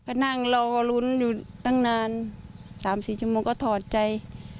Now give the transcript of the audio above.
ก็นั่งรอลุ้นอยู่ตั้งนาน๓๔ชั่วโมงก็ถอดใจ